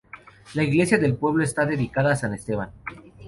La iglesia del pueblo está dedicada a San Esteban.